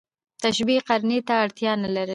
تشبېه قرينې ته اړتیا نه لري.